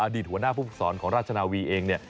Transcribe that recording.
หัวหน้าผู้ฝึกศรของราชนาวีเองเนี่ย